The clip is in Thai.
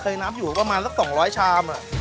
เคยนับอยู่ประมาณก็๒๐๐ชามอะ